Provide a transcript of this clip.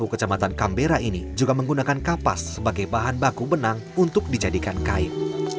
dan satu kecamatan kambera ini juga menggunakan kapas sebagai bahan baku benang untuk dijadikan kain